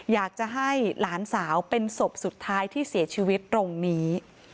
อยากจะให้หลานสาวเป็นศพสุดท้ายที่เสียชีวิตตรงนี้